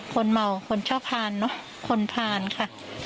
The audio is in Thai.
คนเมาคนชอบทานเนอะคนทานค่ะ